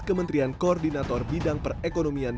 kementrian koordinator bidang perekonomian